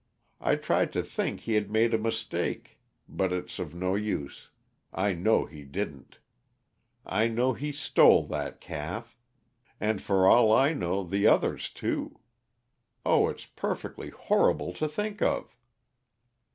I tried to think he had made a mistake; but it's of no use I know he didn't. I know he stole that calf. And for all I know, the others, too. Oh, it's perfectly horrible to think of!"